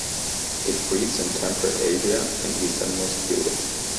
It breeds in temperate Asia and easternmost Europe.